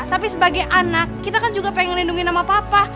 tapi sebagai anak kita kan juga pengen lindungi sama papa